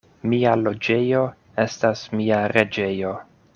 Mia loĝejo estas mia reĝejo.